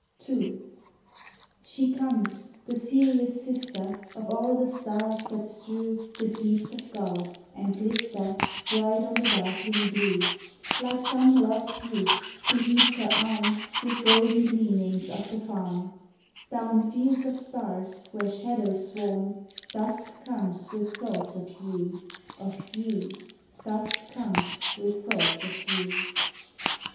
II. She comes, the serious sister Of all the stars that strew The deeps of God, and glister Bright on the darkling blue: Like some loved Ruth, who heaps her arm With golden gleanings of the farm, Down fields of stars, where shadows swarm, Dusk comes with thoughts of you, Of you, Dusk comes with thoughts of you.